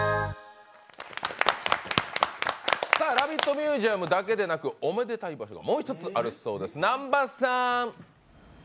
ミュージアムだけでなく、おめでたい場所がもう一つあるそうです。